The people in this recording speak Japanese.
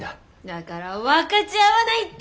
だから分かち合わないって！